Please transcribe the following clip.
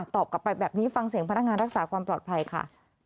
ตอบกลับไปแบบนี้ฟังเสียงพนักงานรักษาความปลอดภัยค่ะ